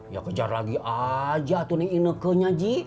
ya kejar lagi aja tuh nih i nekenya ji